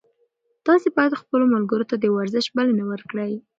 تاسي باید خپلو ملګرو ته د ورزش بلنه ورکړئ.